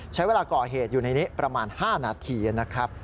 ใช้เวลาก่อเหตุอยู่ในนี้ประมาณ๕นาทีนะครับ